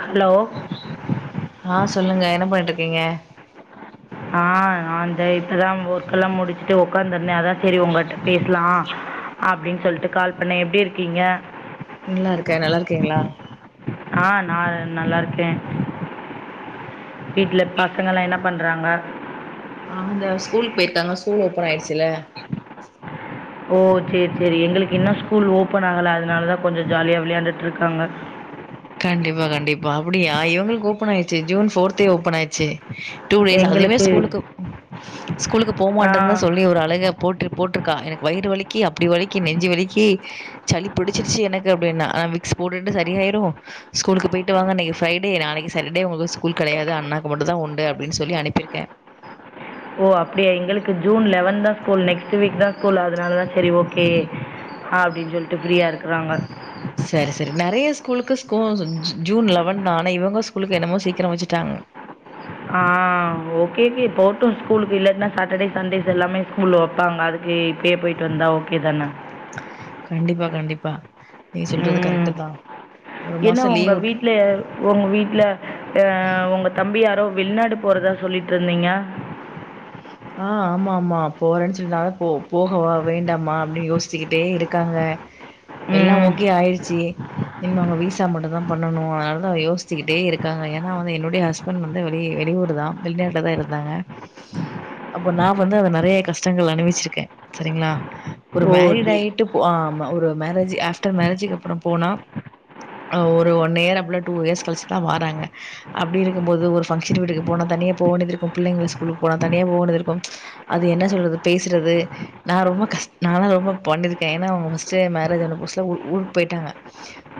Hello ஹா சொல்லுங்க என்ன பண்ணிட்ருக்கீங்க ஆ ஆந்தே இப்பதா ஒர்க்கெல்லா முடிச்சுட்டு ஒக்காந்துருந்தே அதா செரி உங்கிட்ட பேசலா அப்டின்னு சொல்லிட்டு கால் பண்ணே எப்படிருக்கீங்க நல்லாருக்கே நல்லாருக்கீங்ளா ஆ நா நல்லாருக்கே வீட்ல பசங்கலா என்ன பண் றாங்க ஆ அந்த ஸ்கூலுக்கு போயிருக்காங்க ஸ்கூல் ஓப்பன் ஆயிச்சுல்ல ஓ செரி செரி எங்களுக்கு இன்னூ ஸ்கூல் ஓப்பனாகல அத்னாலதா கொஞ்சோ ஜாலியா விளையாண்டுட்ருக்காங்க கண்டிப்பா கண்டிப்பா அப்டியா இவங்களுக்கு ஓப்பன் ஆயிச்சு ஜூன் ஃபோர்த்தே ஓப்பன் ஆயிடுச்சே டூ டேஸ் அதூமே எங்களுக்கு ஸ்கூலுக்கு ம் ஸ்கூலுக்கு போ ஆ மாட்டே தா சொல்லி ஒரு அழுக போட்டுரு போட்டுரு கா எனக்கு வயிறு வலிக்கி அப்டி வலிக்கி நெஞ்சு வலிக்கி சளி பிடிச்சிருச்சு எனக்கு அப்டின்னா நா விக்ஸ் போட்டுண்டி சரியாயிரூ ஸ்கூலுக்கு போயிட்டு வாங்க இன்னைக்கு ஃபிரைடே நாளைக்கு சட்டர்டே உங்களுக்கு ஸ்கூல் கெடையாது அண்ணாக்கு மட்டு தா உண்டு அப்டின்னு சொல்லி அனுப்பிருக்கே ஓ அப்டியா எங்களுக்கு ஜூன் லெவன் தா ஸ்கூல் நெக்ஸ்ட் வீக் தா ஸ்கூல் அதனால தா சரி ஓகே அப்டின்னு சொல்ட்டு ஃப்ரீயா இருக்கறாங்க சரி சரி நெறைய ஸ்கூலுக்கு ஸ்கூ ஜூன் லெவன் ஆனா இவங்க ஸ்கூலுக்கு என்னமோ சீக்கிரம் வச்சுட்டாங்க் ஆஹ் ஓகேகே போட்டு ஸ்கூலுக்கு இல்லன்னா சாட்டர்டே சண்டேஸ் எல்லாமே ஸ்கூல்ல வைப்பாங்க அதுக்கு இப்பயே போயிட்டு வந்தா ஓகே தானே கண்டிப்பா கண்டிப்பா நீங்க சொல்றது உம் கரெக்ட் தா ஒரு என்ன மாசோ உங்க லீவ் விட் வீட்ல உங்க வீட்டுல அஹ் உங்க தம்பி யாரோ வெளிநாடு போறதா சொல்லிட்டு இருந்தீங்க ஆஹ் ஆமா ஆமா போறேன்னு சொல்லின்தாங்க போ போகவா வேண்டாமா அப்டின்னு யோசிச்சிக்கிட்டே இருக்காங்க எல்லா ம் ஓகே ஆயிருச்சு இன்ம அவங்க விசா மட்டு தா பண்ணனு அதனாலதா யோசிச்சிக்கிட்டே இருக்காங்க ஏன்னா வந்து என்னுடைய ஹஸ்பண்ட் வந்து வெளி வெளியூர் தா வெளிநாட்டுலதா இருந்தாங்க அப்போ நா வந்து அது நெறைய கஷ்டங்கள் அணிவிச்சிருக்கே சரிங்களா ஒரு ஓ மேரிட் சரி ஆயிட்டு போ ஆமா ஒரு மேரேஜ் ஆஃப்டர் மேரேஜ்கங்கு அப்போ போனா ஒரு யேர் அப்டில டூ யேர்ஸ் கழிச்சுதா வாராங்க அப்டி இருக்கும்போது ஒரு ஃபங்ஷன் வீட்டுக்கு போனா தனியா போ வேண்டது இருக்கும் பிள்ளைக்கு ஃஸ்கூலுக்கு போனா தனியா போ வேண்டது கும் அது என்ன சொல்றது பேச்றது நா ரொம்ப கஷ் பாலா ரொம்ப பண்ணிருக்க ஏனா மோஸ்டிலி மேரேஜ் ஆன புதுசுல ஏ ஊருக்கு போய்டாங்க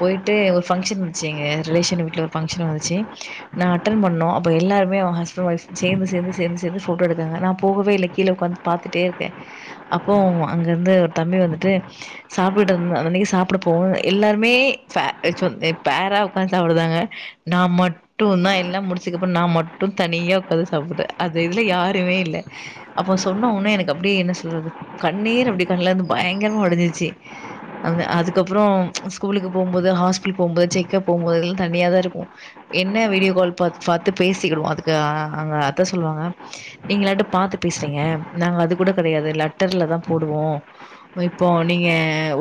போய்ட்டு எங்க ஒரு ஃபங்க்ஷன் இருந்ச்சு எங்க ரிலேஷன் வீட்ல ஒரு ஃபங்க்ஷன் வந்துச்சு நா அட்டண் பெண்ணோ அப்ப எல்லாருமே வ ஹஸ்பண் வைஃப் சேந்து சேந்து சேந்து சேந்து ஃபோட்டோ எடுத்தாங்க நா போகவே இல்ல கீழே உக்காந்து பாத்துட்டே இருக்கே அப்போ அவு அங்க இருந்த ஒரு தம்பி வந்துட்டு சாப்பிட்டு வந்து நீங்க் சாப்பிட போ எல்லாருமே ஃபா அசுன் ஏ பேரா உக்காந்து சாப்புடுதாங்க நா மட்டுதா எல்லா முடிச்சுக்கப்புறோ நா மட்டு தனியா உக்காந்து சாப்புடே அது இதுல யாருமே இல்ல அப்ப சொன்ன உன்ன எனக்கு அப்டியே என்ன சொல்றது கண்ணீர் அப்டி கண்ல இருந்து பயங்கரமா உடஞ்சிருச்சு அங்க அதுக்கப்புறோ ஸ்கூலுக்கு போம்போது ஹாஸ்பிடல் போகம்போது செக்கப் போம்போது இதெல்லா தனியா தா இருக்கு என்ன வீடியோ கால் பாத் பாத்து பேசிடுவோ அதுக்கு அங்க அதத்த சொல்லுவாங்க நீங்கலாட்டு பாத்து பேசுறீங்க நாங்க அது கூட கெடையாது லெட்டர்ல தா போடுவோ இப்போ நீங்க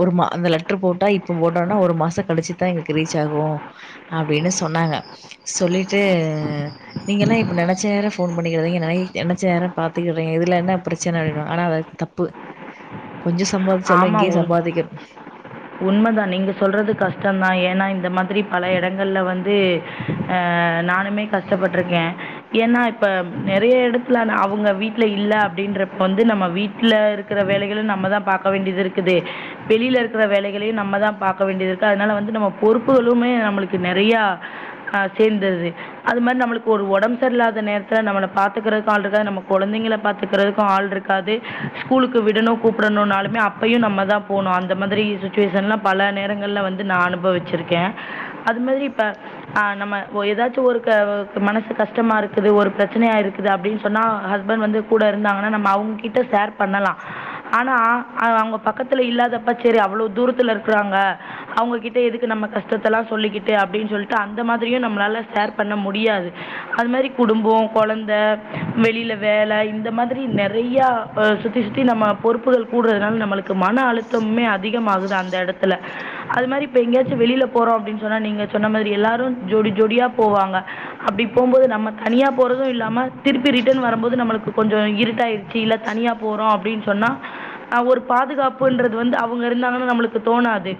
ஒரு மா அந்த லெட்டரு போட்டா இப்போ போட்டோனா ஒரு மாசோ கழிச்சி தா எங்களுக்கு ரீச் ஆகு அப்டின்னு சொன்னாங்க சொல்லிட்டு நீங்கள்ல்லா இப்ப நெனச்ச நேர ஃபோன் பண்ணிக்கிறீங்க நரி நெனச்சேர பாத்துக்கிடுறேங்க இதுல என்ன பிரச்சன ஆயிடு ஆனா வ தப்பு கொஞ்சம் சம்பாதிச்சாலும் ஆமா இங்கேயே உண் சம்பாதிக்கணும். உண்மதா நீங்க சொல்றது கஷ்டதா ஏன்னா இ ந்த மாதிரி பல இடங்கள்ல வந்து ஆ நானுமே கஷ்டப்பட்ருக்கே ஏன்னா இப்ப நெறைய எடத்துல அன் அவங்க வீட்ல இல்ல அப்டின்றப்ப வந்து நம்ம வீட்ல இருக்கிற வேலைகளு நம்ம தா பாக் வேண்டிய இருக்குது வெளியில இருக்கிற வேலைகளையு நம்ம தா பாக்க வேண்டிய இருக்கு அதனால வந்து நம்ம பொறுப்புகளுமே நம்மளுக்கு நெறைய கா சேர்ந்துறுது அது மாதிரி நமக்கு ஒரு ஒடம்பு சரியல்லாத நேரத்துல நம்மள பாத்துக்கறதுக்கு ஆளில்ல நம்ம கொழந்தைங்கள பாத்துக்கிறதுக்கு ஆள் இருக்காது ஸ்கூலுக்கு விடணு கூப்பிடணு நா ஆள் ம்ம அப்பயு நம்ம தா போணு அந்த மாதிரி சுச்சுவேஷன்லா பல நேரங்கள்ல வந்து நானன அனுபவிச்சிருக்கே அது மாரி இப்ப ஆஹ் நம்ம ஒ ஏதாச்சு ஒரு க மனசு கஷ்டமா இருக்குது ஒரு பிரச்சனையா இருக்குது அப்டின்னு சொன்னா ஹஸ்பண்ட் வந்து கூட இருந்தாங்கன்னா நம்ம அவங்க கிட்ட ஷேர் பண்ணலா ஆனா அவங்க பக்கத்துல இல்லாதப்ப சரி அவ்வளோ தூரத்துல இருக்கறாங்க அவங்ககிட்ட எதுக்கு நம்ம கஷ்டத்த எல்லா சொல்லிக்கிட்டு அப்டின்னு சொல்லிட்டு அந்த மாதிரியு நம்மளால ஷேர் பண்ண முடியாது அது மாரி குடும்பொ கெழந்த வெளியில வேல இந்த மாதிரி நெறைய சுத்தி சுத்தி நம்ம பொறுப்புகள் கூடுறதுனால நம்மளுக்கு மன அழுத்தமுமே அதிகமாகுது அந்த எடத்துல அது மாரி இப்ப எங்கயாச்சு வெளியில போறோ அப்டின்னு சொன்னா நீங்க சொன்ன மாதிரி எல்லாரு ஜோடி ஜோடியா போவாங்க அப்டி போம்போது நம்ம தனியா போறது இல்லாம திருப்பி ரிட்டர்ன் வரும்போது நம்மளுக்கு கொஞ்சொ இருட்டாயிடுச்சு இல்ல தனியா போறோ அப்டின்னு சொன்னா ஆ ஒரு பாதுகாப்புன்றது வந்து அவங்க இருந்தாங்கன்னா நம்மளுக்கு தோணாது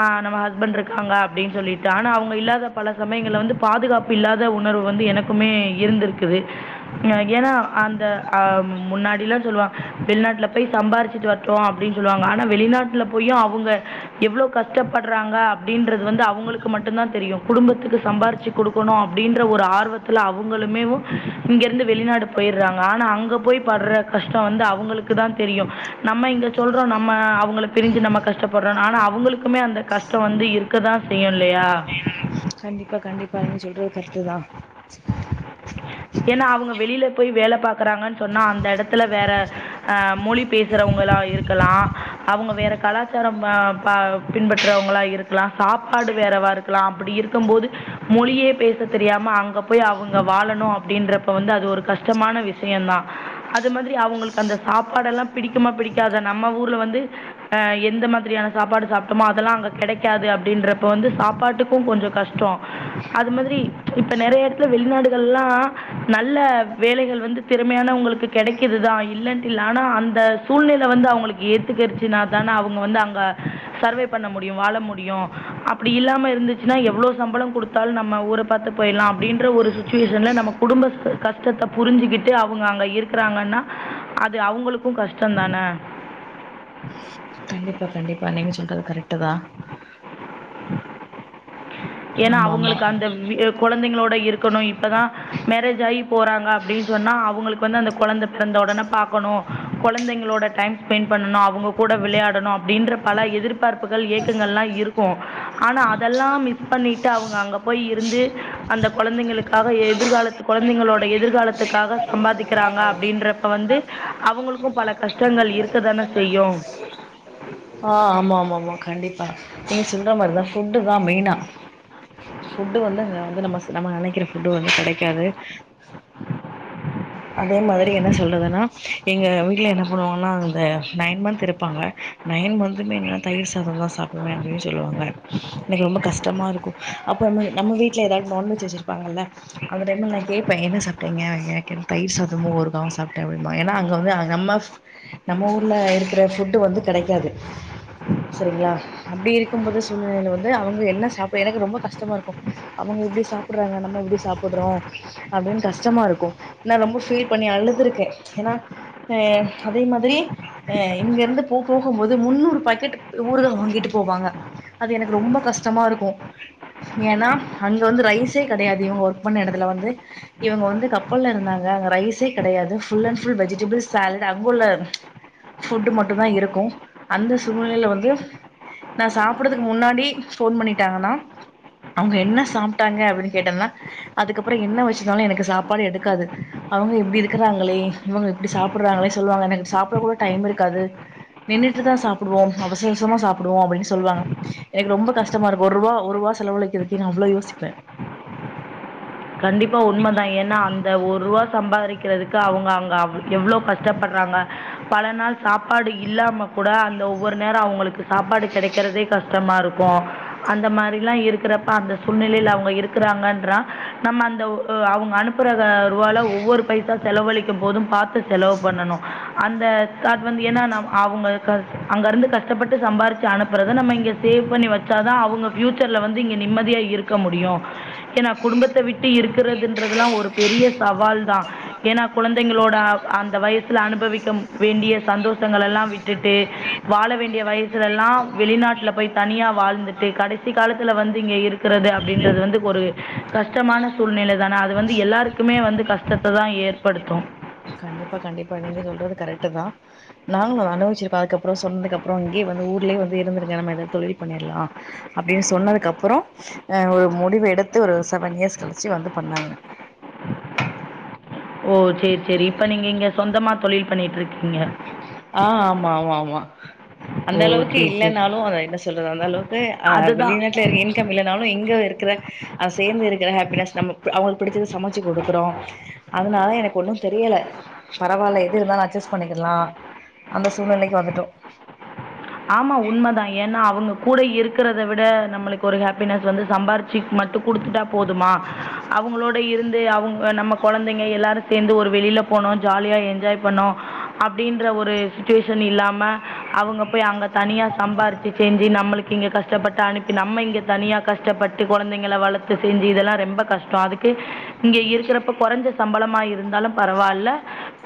ஆஹ் நம்ம ஹஸ்பண்ட் இருக்காங்க அப்டின்னு சொல்லிட்டு ஆனா அவங்க இல்லாத பல சமயங்களல வந்து பாதுகாப்பு இல்லாத உணர்வு வந்து எனக்குமே இருந்திருக்குது ஏன்னா அந்த அஹ் முன்னாடில்லா சொல்லுவா வெளிநாட்டுல போய் சம்பாதிச்சு போய்டு வரட்டு அப்டின்னு சொல்லுவாங்க ஆனா வெளிநாட்டுல போயு அவங்க எவ்வளோ கஷ்டப்படுறாங்க அப்டின்றது வந்து அவங்களுக்கு மட்டு தா தெரியு குடும்பத்துக்கு சம்பாதிச்சு கொடுக்கணு அப்டின்ற ஒரு ஆர்வத்துல அவங்களுமேவோ இங்க இருந்து வெளிநாடு போயிடுறாங்க ஆனா அங்க போய் படுற கஷ்டோ வந்து அவங்களுக்கு தா தெரியு நம்ம இங்க சொல்றோ நம்ம அவங்கள பிரிஞ்சு நம்ம கஷ்டப்படுறோனு ஆனா அவங்களுக்குமே அந்த கஷ்டோ வந்து இருக்கதா செய்யு இல்லையா கண்டிப்பா கண்டிப்பா நீங்க சொல்றது கரெக்ட்டு தா ஏன்னா அவங்க வெளியில போய் வேல பாக்குறாங்கன்னு சொன்னா அந்த எடத்துல வேற ஆஹ் மொழி பேசுறவங்களா இருக்கலா அவங்க வேற கலாச்சாரம் அஹ் ப பின்பற்றறவங்களா இருக்கலா சாப்பாடு வேறவா இருக்கலா அப்டி இருக்கும் போது மொழியே பேச தெரியாம அங்கப் போய் அவங்க வாழணு அப்டின்றப்பொ வந்து அது ஒரு கஷ்டமான விஷயொ தா அது மாதிரி அவங்களுக்கு அந்த சாப்பாடெல்லா பிடிக்குமா பிடிக்காத நம்ம ஊர்ல வந்து அஹ் எந்த மாதிரியான சாப்பாடு சாப்ட்டோமோ அதெல்லா அங்க கெடைக்காது அப்டின்றப்பொ வந்து சாப்பாட்டுக்கு கொஞ்சொ கஷ்டொ அது மாதிரி இப்ப நெறைய ல வெளிநாடுகள்லா நல்ல வேலைகள் வந்து திறமையானவங்களுக்கு கெடைக்கதுதா இல்லன்டாடில்ல ஆனா அந்த சூழ்நில வந்து அவங்களுக்கு ஏத்துக்கச்சுனா தானே அவங்க வந்து அங்க சர்வே பண்ண முடியு வாழ முடியு அப்டி இல்லாம இருந்துச்சுன்னா எவ்வளோ சம்பளம் கொடுத்தாலு நம்ம ஊர பாத்து போய்டுலா அப்பனடின்ற ஒரு சுச்சுவேஷன்ல நம்ம குடும்பச் கஷ்டத்த புரிஞ்சுக்கிட்டு அவங்க அங்க இருக்குறாங்கன்னா அது அவங்களுக்கு கஷ்டொ தானே கண்டிப்பா கண்டிப்பா நீங்க சொல்றது கரெக்ட்டு தா [inaudible] ஏன்னா ஆமா ஆமா அவங்களுக்கு அந்த வி குழந் தைங்களோட் ட இருக்குனு இப்பதா மேரேஜ் ஆயி போறாங்க அப்டினு சொன்னா அவங்களுக்கு வந்து அந்த கொழந்த பிறந்த உடனே பாக்கணு குழந்தைங்களோட டைம் ஸ்பென்ட் பண்ணணு அவங்க கூட வெளையாடனு அப்டின்ற பல எதிர்பார்ப்புகள் ஏக்கங்கள்லா இருக்கு ஆனா அதெல்லா மிஸ் பண்ணிட் அவங்க அங்க போய் இருந்து அந்த கொழந்தைங்களுக்காக எதிர்காலத்து கொழந்தைங்களோட எதிர்காலத்துக்காக சம்பாதிக்கிறாங்க அப்டின்றப்ப வந்து அவங்களுக்கு பல கஷ்டங்கள் இருக்க தானே செய்யு ஆஹ் ஆமா ஆமா ஆமா கண்டிப்பா நீங்க சொல்ற மாதிரிதா ஃபுட்டுதா மெயினா ஃபுட்டு வந்து அ வந்து நம்ம சு நம்ம நெனைக்குற ஃபுட்டு வந்து கெடைக்காது அதே மாதிரி என்ன சொல்றதுன்னா எங்க வீட்ல என்ன பண்ணுவாங்கன்னா இந்த நைன் மந்த் இருப்பாங்க நைன் மந்த்துமே என் நா தயிர் சாத தா சாப்பிடுவே அப்டின்னு சொல்லுவாங்க எனக்கு ரொம்ப கஷ்டமா இருக்கு அப்போமே நம்ம வீட்ல ஏதாவது நான்வெஜ் வச்சுருப்பாங்கள்ல அந்த டைம்ல நா கேப்பே என்ன சாப்ட்டீங்க அப்டின் நா கேப் தயிர் சாதமோ ஊருக்காவோ சாப்ட்டே அப்டிபாங்க ஏன்னா அங்க வந்து நம்ம நம்ம ஊர்ல இருக்குற ஃபுட்டு் வந்து கெடைக்காது சரிங்களா அப்டி இருக்கும் போது சூழ்நிலில வந்து அவங்க என்ன சாப்பிட எனக்கு ரொம்ப கஷ்டமா இருக்கு அவங்க இப்டி சாப்பாடுறாங்க நம்ம இப்டி சாப்பிடுறோ அப்டின்னு கஷ்டமா இருக்கு நான் ரொம்ப ஃபீல் பண்ணி அழுதுருக்கே ஏன்னா அஹ் அதே மாதிரி அஹ் இங்க இருந்து போ போகும்போது முன்னூறு பாக்கெட் ஊருக வாங்கிட்டு போவாங்க அது எனக்கு ரொம்ப கஷ்டமா இருக்கு ஏன்னா அங்க வந்து ரைஸே கெடையாது இவங்க ஒர்க் பண்ண எடத்துல வந்து இவங்க வந்து கப்பல்ல இருந்தாங் க அங்க ரைஸே கெடையாது ஃபுள் ஆன் ஃபுள் வெஜிடபிள் சாலட் அங்க உள்ள ஃபுட் மட்டு தா இருக்கு அந்தச் சூழ்நிலையில வந்து நா சாப்பறதுக்கு முன்னாடி ஃபோன் பண்ணிட்டாங்கன்னா அவங்க என்ன சாப்ட்டாங்க அப்டினு கேட்டனா அதுக்கறோ என்ன வச்சிருந்தாலு எனக்கு சாப்பாடே எடுக்காது அவங்க எப்டி இருக்குறாங்களே இவங்க எப்டி சாப்பிடுறாங்களே சொல்லுவாங்க எனக்கு சாப்பிட கூட டைம் இருக்காது நின்னுட்டுதா சாப்பிடுவோ அவசர அவசரமா சாப்பிடுவோ அப்டின்னு சொல்லுவாங்க எனக்கு ரொம்ப கஷ்டமா இருக்கு ஒரு ரூவா ஒரு ரூவா செலவுழக்குறதுக்கு நா அவ்ளோ யோசிப்பே கண்டிப்பா உண்மதா ஏன்னா அந்த ஒர் ரூவா சம்பாதிக்கிறதுக்கு அவங்க அங்க எவ்வளோ கஷ்டப்படுறாங்க ப பல நாள் சாப்பாடு இல்லாம கூட அந்த ஒவ்வொரு நே சாப்பாடு கெடைக்கறதே கஷ்டமா இருக் க்கு அந்த மாரிலாம் இருக்கிறப்ப அந்த சூழ்நிலையில அவங்க இருக்கிறாங்கன்றா நம்ம அந்த ஒ அவுங்க அனுப்புறத [unintelligible] ஒவ்வொரு பைசா செலவழிக் துபோதும் பாத்து செலவு பண்ணணு அந்த காட் வந்து ஏன்னா நா அவுங்க க அங்கருந்து கஷ்டபட்டு சம்பாரிச்சு அனுப்பறத நம்ம இங்க சேவ் பண்ணி வச்சாதா அவுங்க ஃப்யூச்சர்ல வந்து இங்க நிம்மதியா இருக்க முடியு ஏனா குடும்பத் விட்டு இருக்கிறதுன்றதுல்லா ஒரு பெரிய சவால் தான் ஏன்னா குழந்தைங்களோட அந்த வயசுல அனுபவிக்க வேண்டிய சந்தோஷ கலெல்லாம் விட்டுட்டு வாழ வேண்டிய வயசுல எல்லாம் வெளிநாட்டுல போய் தனியா வாழ்ந்துட்டு கடைசி காலத்துல வந்து இங்க இருக்கிறது அப்படின்றது வந்து ஒரு கஷ்டமான சூழ்நிலை தானே அது வந்து எல்லாருக்குமே வந்து கஷ்டத்த தான் ஏற்படுத்தும் கண்டிப்பா கண்டிப்பா நீங்க சொல்றது கரெக்ட் தான் நாங்களும் அத அனுபவிச்சிருக்கோம் அதுக்கப்புறம் சொன்னதுக்கப்புறம் இங்கேயே வந்து ஊர்லயே வந்து இருந்திருங்க நம்ம எதாவது தொழில் பண்ணிடலாம் அப்படின்னு சொன்னதக்கப்புறம் அ ஒரு முடிவு எடுத்து ஒரு செவன் இயர்ஸ் கழிச்சு வந்து பண்ணாங்க ஓ செரி செரி இப்ப நீங்க இங்க சொந்தமா தொழில் பண்ணிட்டு இருக்கீங்க ஆஹ் ஆமா ஆமா ஆமா அந்த ஓ அளவுக்கு சரி சரி இல்லைன்னாலும் அத என்ன சொல்றது அந்த அளவுக்கு அ அதுதான் வெளிநாட்டுல இருக்க இன்கம் இல்லைனாலும் இங்க இருக்கிற அ சேர்ந்து இருக்கிற ஹாப்பினஸ் நம்ம அவங்களுக்கு பிடிச்சது சமைச்சு கொடுக்குறோம் அதனால தான் எனக்கு ஒன்றும் தெரியலை பரவால்ல எது இருந்தாலு அட்ஜஸ்ட் பண்ணிக்கிட்லா அந்த சூழ்நிலைக்கு வந்துட்டோம் ஆமா உண்மதான் ஏன்னா அவுங்க கூட இருக்கிறத விட நம்மளுக்கு ஒரு ஹாப்பினஸ் வந்து சம்பாரிச்சு மட்டும் குடுத்துட்டா போதுமா அவங்களோட இருந்து அவங்க நம்ம குழந்தைங்க எல்லாரும் சேர்ந்து ஒரு வெளியில போனோம் ஜாலியா என்ஜாய் பண்ணோ அப்படின்ற ஒரு சிச்சுவேஷன் இல்லாம அவுங்க போய் அங்க தனியா சம்பாரிச்சு செஞ்சு நம்மளுக்கு இங்க கஷ்டப்பட்டு அனுப்பி நம்ம இங்க தனியா கஷ்டப்பட்டு குழந்தைங்கள வளர்த்து செஞ்சு இதெல்லா ரெம்ப கஷ்டம் அதுக்கு இங்க இருக்கிறப்ப குறைஞ்ச சம்பளமா இருந்தாலும் பரவால்ல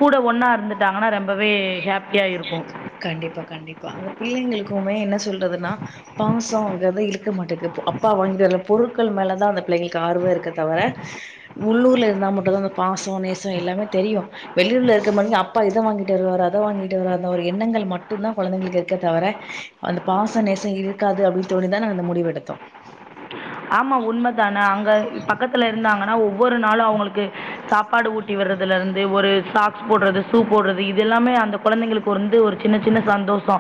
கூட ஒன்னா இருந்துட்டாங்கன்னா ரொம்பவே ஹாப்பியா இருக்கும் கண்டிப்பா கண்டிப்பா அந்த பிள்ளைங்களுக்குமே என்ன சொல்றதுன்னா பாசம் அங்கத இரு க்க மாட்டேங்க அப்பா வாங்கிட்டு வர பொருள் பொருட்கள் மேல தா அந்த பிள்ளைகளுக்கு ஆர்வ இருக்க தவர உள்ளூர்ல இருந்தாமட்டு தா அந்த பாசோ நேசோ எல்லாமே தெரியு வெளியூர்ல இருக்க மன்யு அப்பா இத வாங்கிட்டு வருவாரு அத வாங்கிட்டு வருவார்னு ஒரு எண்ணங்கள் மட்டுந் தா குழந்தைங்களுக்கு இருக்க தவர அந்த பாச நேசொ இருக்காது அப்டின்னு தோணிதா நாங்க அந்த முடிவெடுத்தோ ஆமா உண்மதான அங்க பக்கத்துல இருந்தாங்கன்னா ஒவ் ஒவ்வொரு நாளு அவங்களுக்கு சாப்பாடு ஊட் [unintelligible] வர்றதுல ருந்து ஒ ஒரு சாக்ஸ் போட்றது சூ போட்றது இது எல்லாமே அந்த கொழந்தைங்களுக்கு வந்து ஒரு சின்ன சின்ன சந்தோஷொ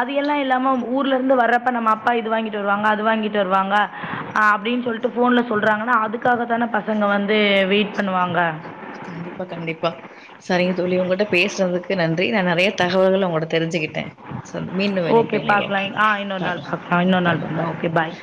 அது எல்லா இல்லாம ஊர்லருந்து வர்றப்ப நம்ம அப்பா இது வாங்கிட்டு வருவாங்க அது வாங்கிட்டு வருவாங்க ஆ அப்டின்னு சொல்லிட்டு போன்ல சொல்றாங்கன்னா அதுக்காகத்தானே பசங்க வந்து வெயிட் பண்ணுவாங்க கண்டிப்பா கண்டிப்பா சரிங்க தோழி உங்கட்ட பேஸ்றதுக்கு நன்றி நா நெறைய தகவல்கள் உங்கோட தெரிஞ்சுகிட்ட ஓகே பாக்லா ஆ இன்னொரு நாள் பாக்கலாம். பாக் ஆ இன்னொரு நாள் ஓகே பாய்